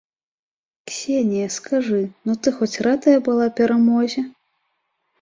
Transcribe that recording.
Ксенія, скажы, ну ты хоць радая была перамозе?